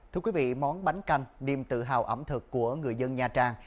thưa quý vị món bánh canh niềm tự hào ẩm thực của người dân nha trang